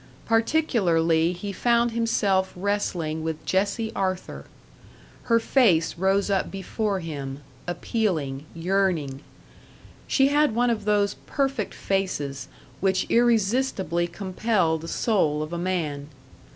Particularly he found himself wrestling with Jessie Arthur. Her face rose up before him, appealing, yearning. She had one of those perfect faces, which irresistibly compel the soul of a man.